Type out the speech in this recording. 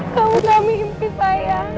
kamu gak mimpi payah